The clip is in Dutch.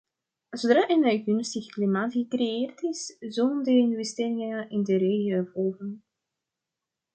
Zodra een gunstig klimaat gecreëerd is, zullen de investeringen in de regio volgen.